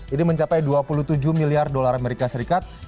ini mencapai dua puluh tujuh miliar dolar amerika serikat